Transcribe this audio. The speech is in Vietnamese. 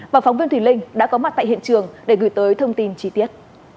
và phóng viên thùy linh đã có mặt tại hiện trường để gửi tới thông tin chi tiết